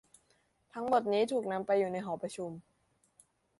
ทั้งหมดนี้ถูกนำไปอยู่ในหอประชุม